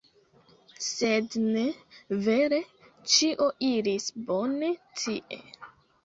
Sed ne. Vere, ĉio iris bone tie.